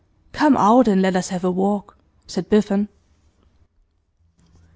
'Come out, and let us have a walk,' said Biffen.